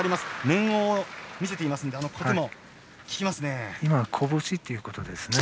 面を見せていますので小手も効きますね。